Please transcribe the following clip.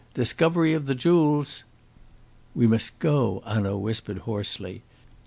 Discovery of the jewels!" "We must go," Hanaud whispered hoarsely.